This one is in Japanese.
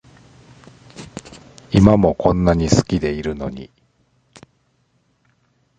今もこんなに好きでいるのに